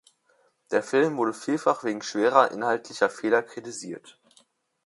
Der Film wurde vielfach wegen schwerer inhaltlicher Fehler kritisiert.